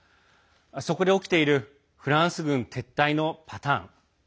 そこで起きているフランス軍撤退のパターン。